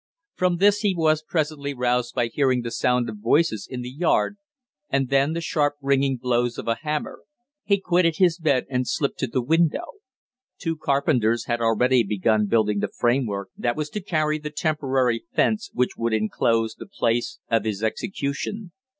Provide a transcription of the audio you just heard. From this he was presently roused by hearing the sound of voices in the yard, and then the sharp ringing blows of a hammer. He quitted his bed and slipped to the window; two carpenters had already begun building the frame work that was to carry the temporary fence which would inclose the place of execution.